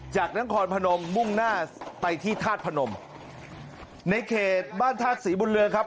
จากนครพนมมุ่งหน้าไปที่ธาตุพนมในเขตบ้านธาตุศรีบุญเรืองครับ